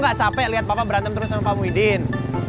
gak capek lihat papa berantem terus sama pak muhyiddin